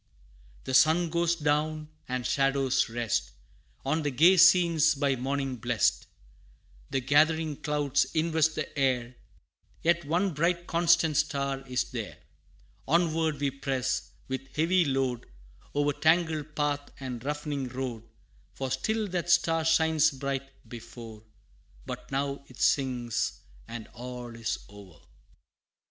The sun goes down, and shadows rest On the gay scenes by morning blest; The gathering clouds invest the air Yet one bright constant Star is there. Onward we press, with heavy load, O'er tangled path and rough'ning road, For still that Star shines bright before; But now it sinks, and all is o'er!